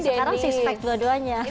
sekarang suspek dua duanya